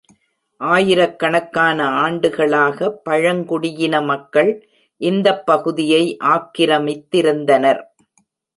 ஆயிரக்கணக்கான ஆண்டுகளாக, பழங்குடியின மக்கள் இந்தப் பகுதியை ஆக்கிரமித்திருந்தனர்.